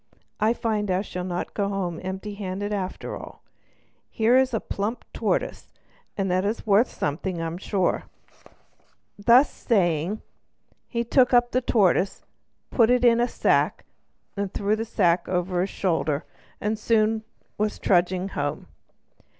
I find I shall not go home empty handed after all; here is a plump tortoise, and that is worth something, I'm sure." Thus saying, he took up the tortoise, put it in a sack, threw the sack over his shoulder, and was soon trudging home.